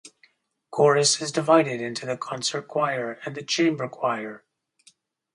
Chorus is divided into the concert choir and the chamber choir.